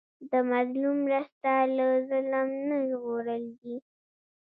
د مظلوم مرسته له ظلم نه ژغورل دي.